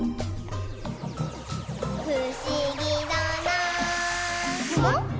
「ふしぎだなぁ」